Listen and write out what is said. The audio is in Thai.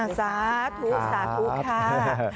อาศักดิ์สาธุค่ะ